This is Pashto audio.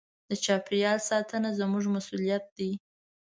د چاپېریال ساتنه زموږ مسوولیت دی.